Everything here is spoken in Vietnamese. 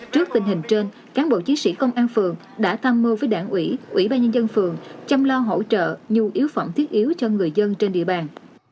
trước tình hình trên cán bộ chiến sĩ công an phường đã tham mưu với đảng ủy ủy ban nhân dân phường chăm lo hỗ trợ nhu yếu phẩm thiết yếu cho người dân trên địa bàn